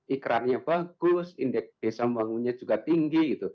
ikrarnya bagus indeks desa membangunnya juga tinggi